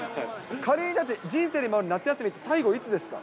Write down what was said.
仮にだって、人生で夏休みって、最後いつですか？